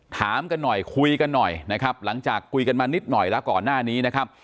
ถามกันหน่อยคุยกันหน่อยนะครับหลังจากคุยกันมานิดหน่อยแล้วก่อนหน้านี้นะครับ